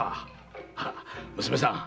娘さん。